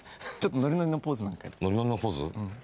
ノリノリのポーズ？